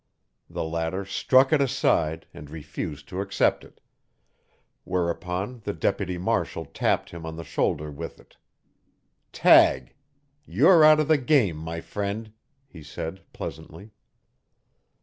The latter struck it aside and refused to accept it whereupon the deputy marshal tapped him on the shoulder with it. "Tag! You're out of the game, my friend," he said pleasantly.